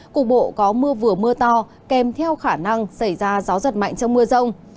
cục bộ có mưa vừa mưa to kèm theo khả năng xảy ra gió giật mạnh trong mưa rông